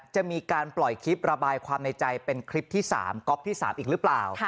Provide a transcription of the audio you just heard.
จะมีการปล่อยคลิประบายความในใจเป็นคลิปที่๓ก๊อปที่๓อีกหรือเปล่า